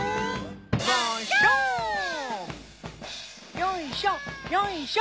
よいしょよいしょ！